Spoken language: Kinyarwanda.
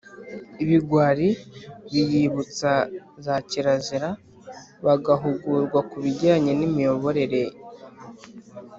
ibigwari. Biyibutsa za kirazira, bagahugurwa ku bijyanye n’imiyoborere